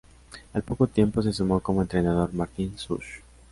Al poco tiempo se sumó como entrenador Martín Such.